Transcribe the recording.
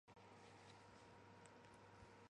扁豆缘花介为粗面介科缘花介属下的一个种。